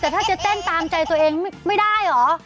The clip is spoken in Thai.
แต่ถ้าจะเต้นตามใจตัวเองไม่ได้เหรอ